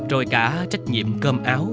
rồi cả trách nhiệm cơm áo